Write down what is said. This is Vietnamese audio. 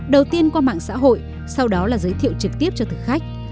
đầu tiên qua mạng xã hội sau đó là giới thiệu trực tiếp cho thực khách